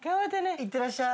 いってらっしゃい。